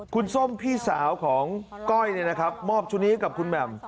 คุณส้มพี่สาวของก้อยมอบชุดนี้ให้กับคุณแหม่ม